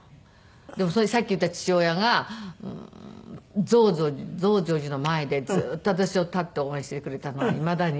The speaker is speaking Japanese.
でもさっき言った父親が増上寺の前でずっと私を立って応援してくれたのがいまだに。